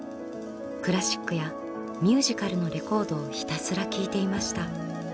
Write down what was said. クラシックやミュージカルのレコードをひたすら聴いていました。